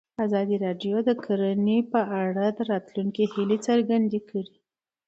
ازادي راډیو د کرهنه په اړه د راتلونکي هیلې څرګندې کړې.